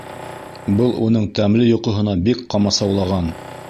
Был уның тәмле йоҡоһона бик ҡамасаулаған.